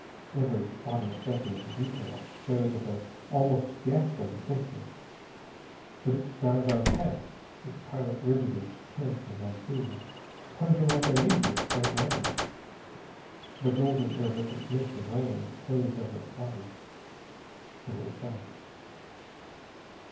Every spot and speck and detail showed with an almost ghastly distinctness. But it dived on past, its pilot rigid and tense and unseeing, plunging like a meteor straight downward. The golden, iridescent mist of rain closed over its body. And it was gone.